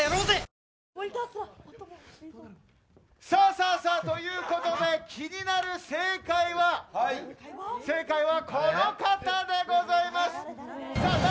さあということで気になる正解はこの方でございます！